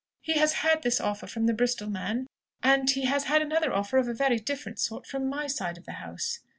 He has had this offer from the Bristol man, and he has had another offer of a very different sort from my side of the house."